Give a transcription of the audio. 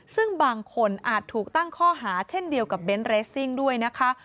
ซึ่งบางคนอาจถูกตั้งข้อหาเช่นเดียวกับเบนท์เรสซิ่งด้วยนะคะ